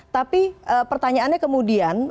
tapi pertanyaannya kemudian